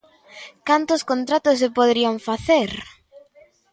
¡Cantos contratos se poderían facer!